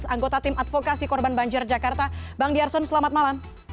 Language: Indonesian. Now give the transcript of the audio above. anggota tim advokasi korban banjir jakarta bang ⁇ yarson selamat malam